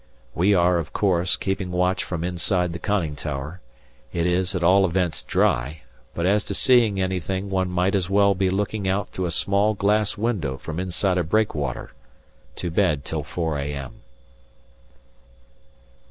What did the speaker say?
We are, of course, keeping watch from inside the conning tower; it is, at all events, dry, but as to seeing anything one might as well be looking out through a small glass window from inside a breakwater! To bed till 4 a.m.